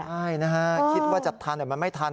ใช่นะฮะคิดว่าจะทันแต่มันไม่ทัน